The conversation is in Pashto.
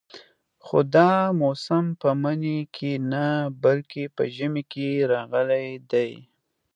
خو دا موسم په مني کې نه بلکې په ژمي کې راغلی دی.